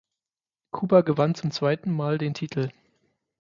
Kuba gewannen zum zweiten Mal den Titel.